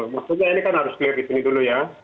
maksudnya ini kan harus clear di sini dulu ya